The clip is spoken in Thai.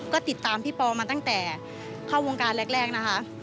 ก็ติดตามพี่ปอมาตั้งแต่เข้าวงการแรกนะคะ